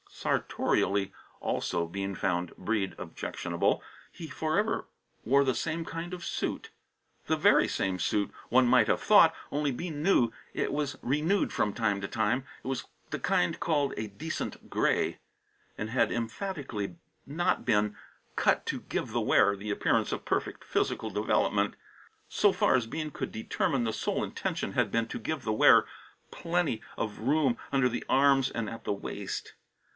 Sartorially, also, Bean found Breede objectionable. He forever wore the same kind of suit. The very same suit, one might have thought, only Bean knew it was renewed from time to time; it was the kind called "a decent gray," and it had emphatically not been cut "to give the wearer the appearance of perfect physical development." So far as Bean could determine the sole intention had been to give the wearer plenty of room under the arms and at the waist.